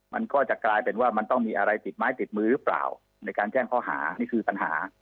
มันก็จะกลายเป็นว่ามันต้องมีอะไรติดไม้ติดมือหรือเปล่าในการแจ้งข้อหานี่คือปัญหา